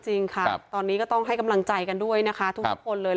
จริงค่ะตอนนี้ก็ต้องให้กำลังใจกันด้วยนะคะทุกคนเลย